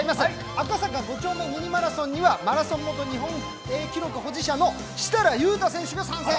「赤坂５丁目ミニマラソン」にはマラソン元日本記録保持者の設楽悠太選手が参戦。